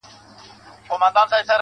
دا دی گيلاس چي تش کړؤ دغه دی توبه کومه~